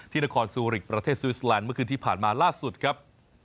นครซูริกประเทศสวิสแลนด์เมื่อคืนที่ผ่านมาล่าสุดครับ